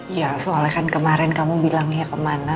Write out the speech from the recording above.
iya soalnya kan kemarin kamu bilangnya kemana